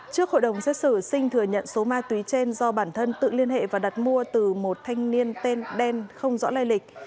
trước hội đồng xét xử sinh thừa nhận số ma túy trên do bản thân tự liên hệ và đặt mua từ một thanh niên tên đen không rõ lai lịch